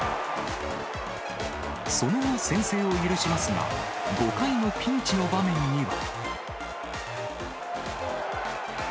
その後、先制を許しますが、５回のピンチの場面には。